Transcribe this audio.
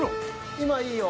今いいよ。